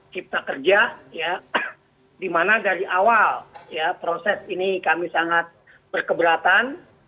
kita kerja dimana dari awal proses ini kami sangat berkeberatan